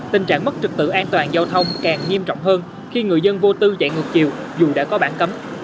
tình trạng mất trực tự an toàn giao thông càng nghiêm trọng hơn khi người dân vô tư chạy ngược chiều dù đã có bản cấm